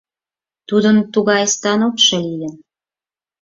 Тудын тугай станокшо лийын.